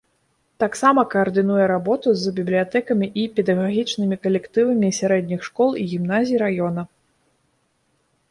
Таксама каардынуе работу з бібліятэкамі і педагагічнымі калектывамі сярэдніх школ і гімназій раёна.